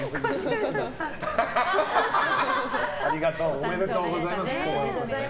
おめでとうございます。